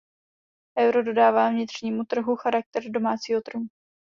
Euro dodává vnitřnímu trhu charakter domácího trhu.